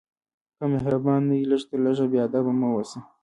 که مهربان نه یې، لږ تر لږه بېادبه مه اوسه.